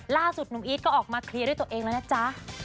ล่าสุดหนุ่มอีทก็ออกมาเคลียร์ด้วยตัวเองแล้วนะจ๊ะ